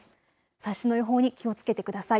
最新の予報に気をつけてください。